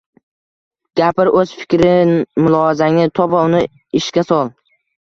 Gapir. O‘z fikr-mulohazangni top va uni ishga sol!